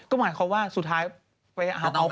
ก็หมายความว่าสุดท้ายไปหาน้อง